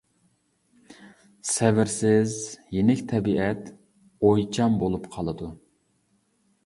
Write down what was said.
سەۋرسىز، يېنىك تەبىئەت، ئويچان بولۇپ قالىدۇ.